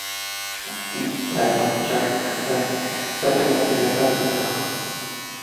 De ahí Sartre saca el material para su trabajo.